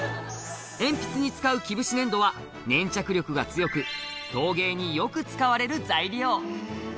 鉛筆に使う木節粘土は、粘着力が強く、陶芸によく使われる材料。